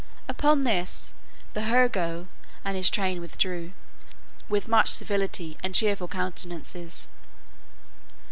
Upon this, the hurgo and his train withdrew, with much civility and cheerful countenances.